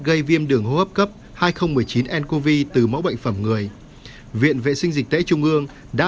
gây viêm đường hô hấp cấp hai nghìn một mươi chín ncov từ mẫu bệnh phẩm người viện vệ sinh dịch tễ trung ương đã